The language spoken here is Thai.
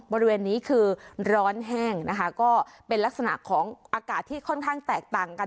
บริเวณนี้คือร้อนแห้งนะคะก็เป็นลักษณะของอากาศที่ค่อนข้างแตกต่างกัน